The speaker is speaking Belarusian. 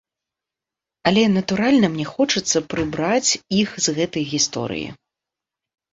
Але, натуральна, мне хочацца прыбраць іх з гэтай гісторыі.